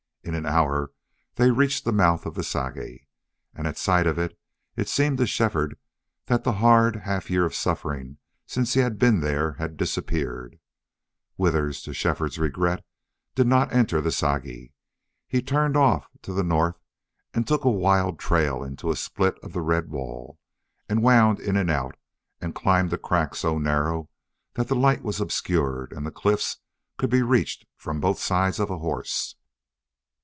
In an hour they reached the mouth of the Sagi, and at sight of it it seemed to Shefford that the hard half year of suffering since he had been there had disappeared. Withers, to Shefford's regret, did not enter the Sagi. He turned off to the north and took a wild trail into a split of the red wall, and wound in and out, and climbed a crack so narrow that the light was obscured and the cliffs could be reached from both sides of a horse.